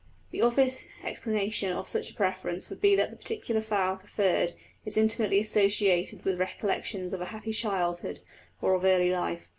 The obvious explanation of such a preference would be that the particular flower preferred is intimately associated with recollections of a happy childhood, or of early life.